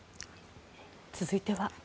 続いては。